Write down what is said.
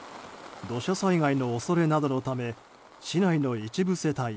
土砂災害の恐れなどのため市内の一部世帯